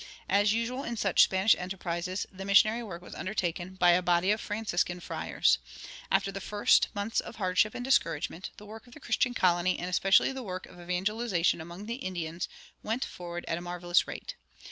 As usual in such Spanish enterprises, the missionary work was undertaken by a body of Franciscan friars. After the first months of hardship and discouragement, the work of the Christian colony, and especially the work of evangelization among the Indians, went forward at a marvelous rate.